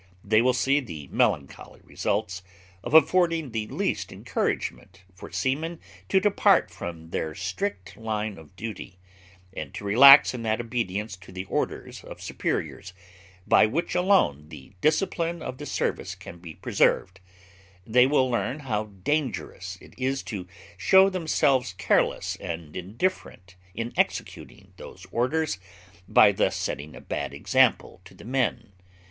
They will see the melancholy results of affording the least encouragement for seamen to depart from their strict line of duty, and to relax in that obedience to the orders of superiors, by which alone the discipline of the service can be preserved; they will learn how dangerous it is to show themselves careless and indifferent in executing those orders, by thus setting a bad example to the men.